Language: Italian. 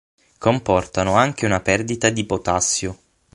Comportano anche una perdita di potassio.